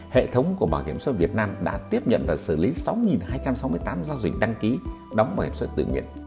hệ thống của bảo hiểm xuất việt nam đã tiếp nhận và xử lý sáu hai trăm sáu mươi tám giao dịch đăng ký đóng bảo hiểm xuất tự nguyện